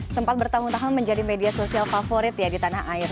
sempat bertahun tahun menjadi media sosial favorit ya di tanah air